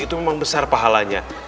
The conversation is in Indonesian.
itu memang besar pahalanya